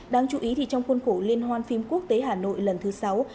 đáng chú ý trong khuôn khổ liên hoàn phim quốc tế hà nội lần thứ sáu